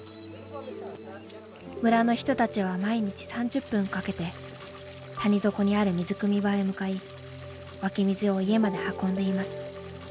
村の人たちは毎日３０分かけて谷底にある水くみ場へ向かい湧き水を家まで運んでいます。